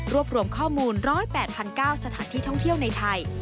รวมข้อมูล๑๘๙สถานที่ท่องเที่ยวในไทย